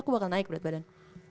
aku bakal naik berat badan